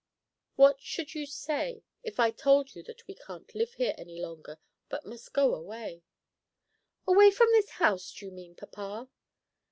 "What should you say if I told you that we can't live here any longer, but must go away?" "Away from this house, do you mean, papa?"